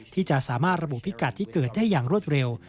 ที่จะสามารถระบุพิกัดที่เกิดได้อย่างรวดเร็ว